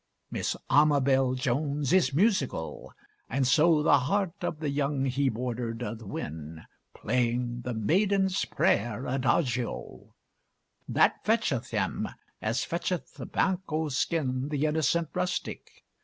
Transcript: Miss Amabel Jones is musical, and so The heart of the young he boardér doth win, Playing 'The Maiden's Prayer' adagio That fetcheth him, as fetcheth the banco skin The innocent rustic.